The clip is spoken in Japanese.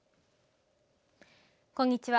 こんにちは。